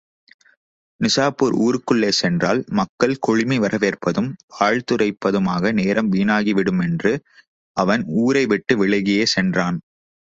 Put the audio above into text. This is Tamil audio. நிசாப்பூர் ஊருக்குள்ளே சென்றால் மக்கள் குழுமி வரவேற்பதும் வாழ்த்துரைப்பதுமாக நேரம் வீணாகி விடுமென்று அவன் ஊரைவிட்டு விலகியே சென்றான்.